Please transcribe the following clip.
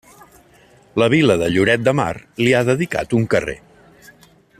La Vila de Lloret de Mar li ha dedicat un carrer.